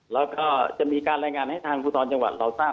แล้วก็จะมีการรายงานให้ทางภูทรจังหวัดเราทราบ